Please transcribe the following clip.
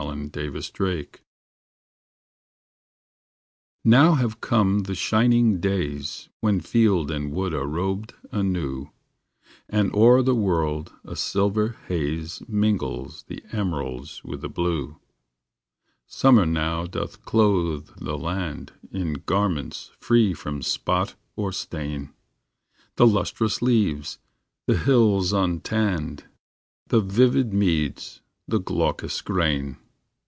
36 JUNE S COMING Now have come the shining days When field and wood are robed anew, And o er the world a silver haze Mingles the emerald with the blue. Summer now doth clothe the land In garments free from spot or stain The lustrous leaves, the hills untanned, The vivid meads, the glaucous grain.